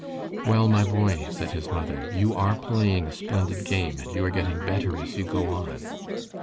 "Well, my boy," said his mother, "you are playing a splendid game, and you are getting better as you go on."